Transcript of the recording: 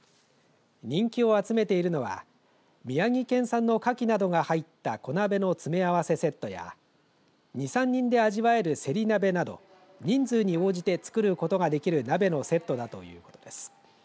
人気を集めているのは宮城県産のかきなどが入った小鍋の詰め合わせセットや２、３人で味わえるせり鍋など人数に応じて作ることができる鍋のセットだということです。